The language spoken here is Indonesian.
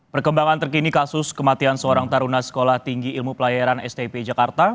perkembangan terkini kasus kematian seorang taruna sekolah tinggi ilmu pelayaran stip jakarta